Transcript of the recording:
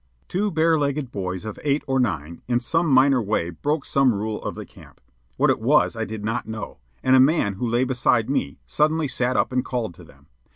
Two bare legged boys of eight or nine in some minor way broke some rule of the camp what it was I did not know; and a man who lay beside me suddenly sat up and called to them.